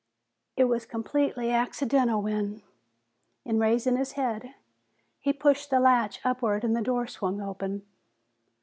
It was completely accidental when, in raising his head, he pushed the latch upward and the door swung open.